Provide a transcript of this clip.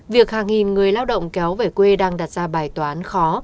việc hàng nghìn người lao động kéo về quê đang đặt ra bài toán khó